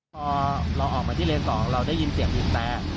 พอเราออกมาที่เลน๒เราได้ยินเสียงบีบแต่